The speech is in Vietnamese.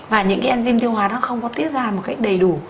và những cái enzym tiêu hóa nó không có tiết ra một cách đầy đủ